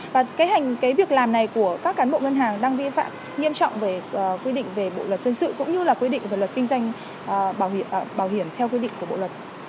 và cái việc làm này của các cán bộ ngân hàng đang vi phạm nghiêm trọng về quy định về bộ luật dân sự cũng như là quy định về luật kinh doanh bảo hiểm theo quy định của bộ luật